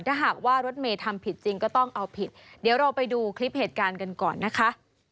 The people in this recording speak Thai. ถ้าหากว่ารถเมย์ทำผิดจริงก็ต้องเอาผิดเดี๋ยวเราไปดูคลิปเหตุการณ์กันก่อนนะคะ